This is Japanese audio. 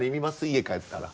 家帰ったら。